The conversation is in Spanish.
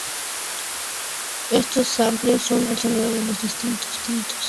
Estos samples son el sonido de los distintos instrumentos que componen la música.